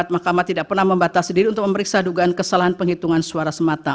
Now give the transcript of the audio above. mahkamah tidak pernah membatas diri untuk memeriksa dugaan kesalahan penghitungan suara semata